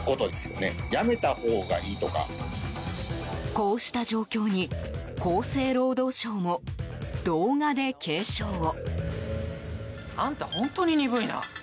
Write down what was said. こうした状況に厚生労働省も動画で警鐘を。